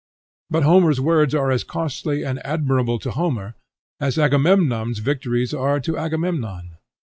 But Homer's words are as costly and admirable to Homer as Agamemnon's victories are to Agamemnon.